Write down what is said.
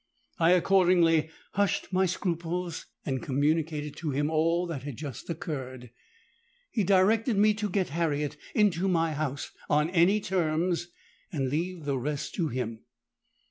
I accordingly hushed my scruples, and communicated to him all that had just occurred. He directed me to get Harriet into my house on any terms, and leave the rest to him.